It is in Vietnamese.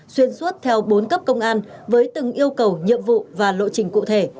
xuyên suốt theo bốn cấp công an với từng yêu cầu nhiệm vụ và lộ trình cụ thể